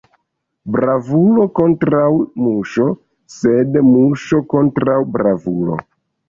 Bravulo kontraŭ muŝo, sed muŝo kontraŭ bravulo.